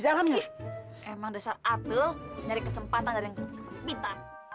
dalamnya emang dasar atuh nyari kesempatan dari kita